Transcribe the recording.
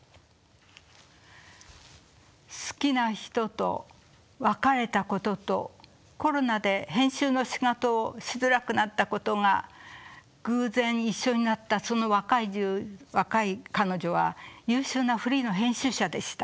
好きな人と別れたこととコロナで編集の仕事をしづらくなったことが偶然一緒になったその若い彼女は優秀なフリーの編集者でした。